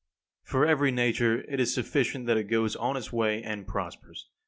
7. For every nature it is sufficient that it goes on its way, and prospers.